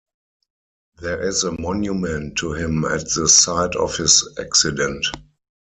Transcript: There is a monument to him at the site of his accident.